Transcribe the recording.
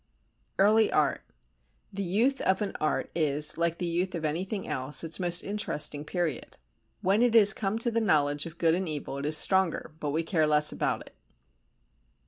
Early Art The youth of an art is, like the youth of anything else, its most interesting period. When it has come to the knowledge of good and evil it is stronger, but we care less about it.